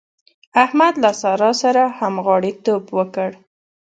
احمد له سارا سره همغاړيتوب وکړ.